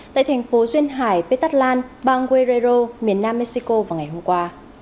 tại thành phố duyên hải petatlan bang guerrero miền nam mexico vào ngày hôm qua